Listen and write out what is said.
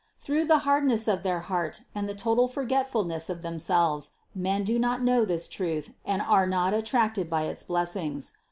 Through the hardness of their heart and the total forget fulness of themselves men do not know this truth and are not attracted by its blessings.